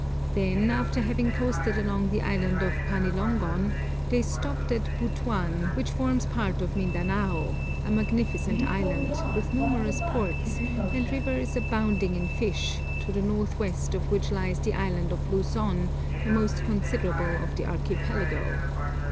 Then, after having coasted along the Island of Panilongon they stopped at Butuan, which forms part of Mindanao, a magnificent island, with numerous ports, and rivers abounding in fish, to the north west of which lies the Island of Luzon, the most considerable of the Archipelago.